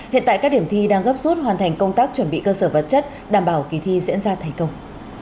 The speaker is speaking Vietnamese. hiện tại các điểm thi đang gấp rút hoàn thành công tác chuẩn bị cơ sở vật chất đảm bảo kỳ thi diễn ra thành công